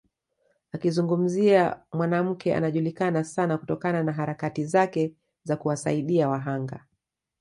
Ukizungumzia mwanamke anajulikana sana kutokana na harakati zake za kuwasaidia wahanga